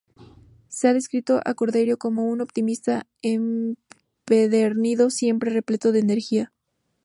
Se ha descrito a Cordeiro como "un optimista empedernido siempre repleto de energía".